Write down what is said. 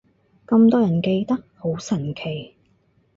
咁多人記得，好神奇